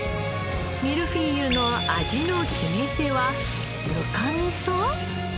ミルフィーユの味の決め手はぬかみそ？